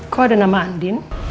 kok ada nama andin